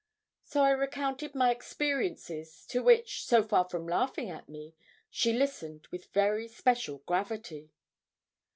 So I recounted my experiences, to which, so far from laughing at me, she listened with very special gravity.